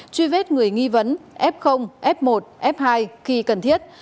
truy vết người nghi vấn f f một f hai khi cần thiết